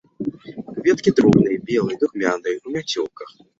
Кветкі дробныя, белыя, духмяныя, у мяцёлках.